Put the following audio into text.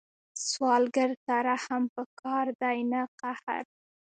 سوالګر ته رحم پکار دی، نه قهر